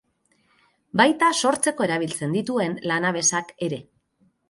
Baita sortzeko erabiltzen dituen lanabesak ere.